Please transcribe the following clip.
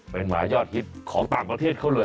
เป็นหมายอดฮิตของต่างประเทศเขาเลย